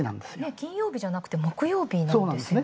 金曜日じゃなくて木曜日なんですよね。